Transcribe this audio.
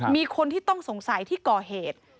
มีคนที่ต้องสงสัยที่ก่อเหตุ